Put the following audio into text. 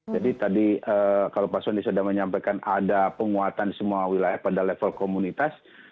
jadi tadi kalau pak soni sudah menyampaikan ada penguatan di semua wilayah pada level komunitas